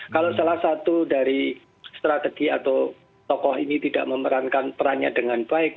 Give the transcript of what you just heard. kalau salah satu dari strategi atau tokoh ini tidak memerankan perannya dengan baik